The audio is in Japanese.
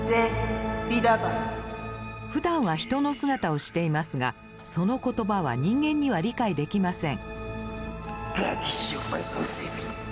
ふだんは人の姿をしていますがその言葉は人間には理解できません。